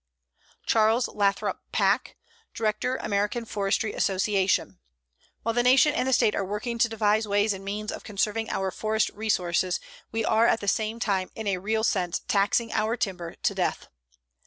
CHARLES LATHROP PACK, Director American Forestry Association: While the nation and the State are working to devise ways and means of conserving our forest resources, we are at the same time, in a real sense, taxing our timber to death.